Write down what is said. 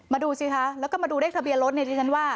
ดูสิคะแล้วก็มาดูเลขทะเบียนรถเนี่ยดิฉันว่า